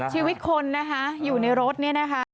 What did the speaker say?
ชีวิตคนนะคะอยู่ในรถเนี่ยนะคะ